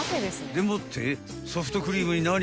［でもってソフトクリームに］